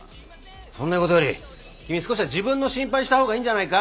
そんなことより君少しは自分の心配したほうがいいんじゃないか？